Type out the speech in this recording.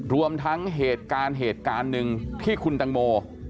รวมทั้งเหตุการณ์เหตุการณ์หนึ่งที่คุณตังโม